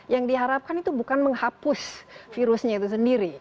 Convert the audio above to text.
yang diharapkan itu bukan menghapus virusnya itu sendiri